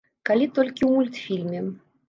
Калі толькі ў мультфільме.